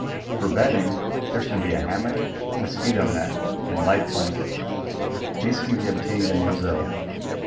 For bedding there should be a hammock, mosquito net, and light blanket. These can be obtained in Brazil.